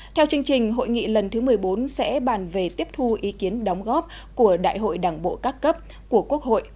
theo chương trình hội nghị lần thứ một mươi bốn sẽ bàn về tiếp thu ý kiến đóng góp của đại hội đảng bộ các cấp của quốc hội